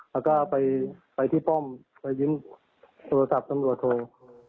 แล้วก็ไปที่ป้อมไปยิ้มโทรศัพท์ตำรวจโทร